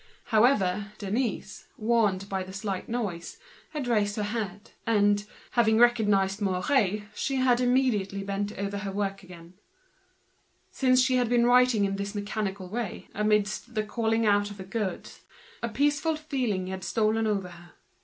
However, Denise, warned by the slight noise, had raised her head. And, after having recognized Mouret, she had immediately bent over her work again, without ostentation. Since she had been writing in this mechanical way, amidst the regular calling out of the articles, a peaceful feeling had stolen over her.